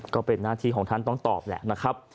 ก็เป็นหน้าที่ของท่านต้องตอบแหละนะครับ